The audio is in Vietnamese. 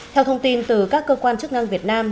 theo thông tin từ các cơ quan chức năng việt nam